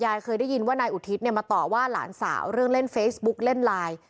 เคยได้ยินว่านายอุทิศเนี่ยมาต่อว่าหลานสาวเรื่องเล่นเฟซบุ๊กเล่นไลน์